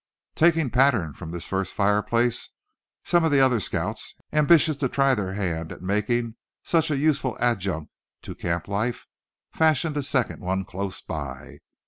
Taking pattern from this first fireplace some of the other scouts, ambitious to try their hand at making such a useful adjunct to camp life, fashioned a second one close by.